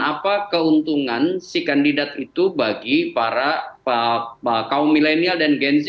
apa keuntungan si kandidat itu bagi para kaum milenial dan gen z